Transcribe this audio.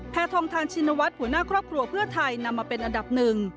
ทองทานชินวัฒน์หัวหน้าครอบครัวเพื่อไทยนำมาเป็นอันดับหนึ่ง